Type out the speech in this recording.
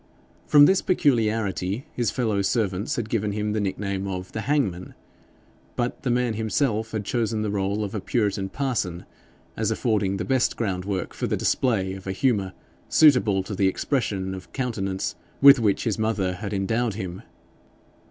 From this peculiarity his fellow servants had given him the nickname of The Hangman; but the man himself had chosen the role of a puritan parson, as affording the best ground work for the display of a humour suitable to the expression of countenance with which his mother had endowed him.